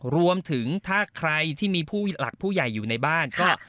รวมถึงถ้าใครที่มีผู้หลักผู้ใหญ่อยู่ในบ้านก็